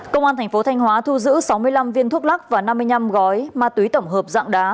công an tp thq thu giữ sáu mươi năm viên thuốc lắc và năm mươi năm gói ma túy tổng hợp dạng đá